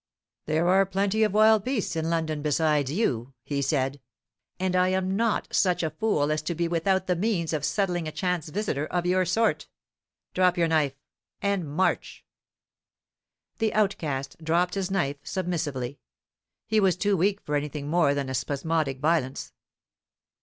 "There are plenty of wild beasts in London besides you," he said, "and I am not such a fool as to be without the means of settling a chance visitor of your sort. Drop your knife, and march." The outcast dropped his knife submissively. He was too weak for anything more than a spasmodic violence.